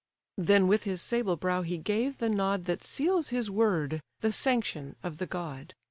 Then with his sable brow he gave the nod That seals his word; the sanction of the god.